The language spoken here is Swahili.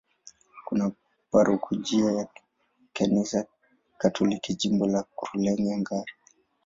Kuna parokia ya Kanisa Katoliki, Jimbo la Rulenge-Ngara.